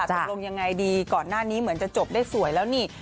ตกลงยังไงดีก่อนหน้านี้เหมือนจะจบได้สวยแล้วนี่